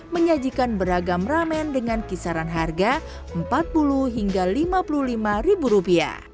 menyajikan beragam ramen dengan kisaran harga rp empat puluh hingga rp lima puluh lima